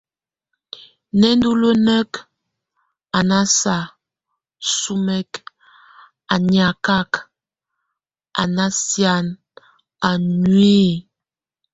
Nenduluenek, a nása sumuek, a nániak, a násian, a néue.